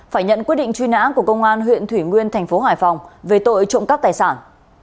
phải nhận quyết định truy nã của công an huyện thủy nguyên tp hải phòng về tội trộm các tài sản